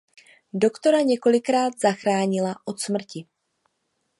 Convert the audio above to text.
Doktora několikrát zachránila od smrti.